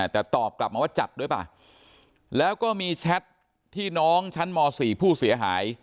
แต่ตอบกลับมาว่าจัดด้วยป่ะแล้วก็มีแชทที่น้องชั้นม๔ผู้เสียหาย